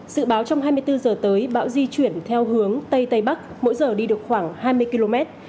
sự báo trong hai mươi bốn giờ tới bão di chuyển theo hướng tây tây bắc mỗi giờ đi được khoảng hai mươi km